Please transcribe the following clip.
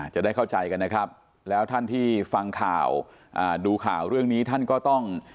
จะได้เข้าใจกันนะครับแล้วท่านที่ฟังข่าวดูข่าวเรื่องนี้ท่านก็ต้อง